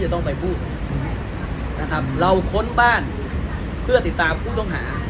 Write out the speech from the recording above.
ต้องไปพูดนะครับเราค้นบ้านเพื่อติดตามผู้ต้องหา